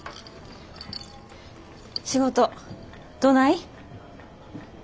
仕事どない？